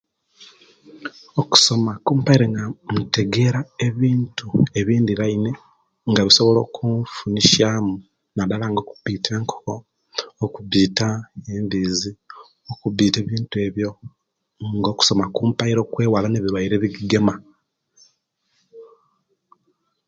Okusoma kumpaire nga ntegera ebintu ebindiraine nga bisobola okunfunisiamu nadala nga okupita enkoko, okubbita embizi okubita ebintu ebyo nga okusoma kumpaire okwewala ebilwaire ebigema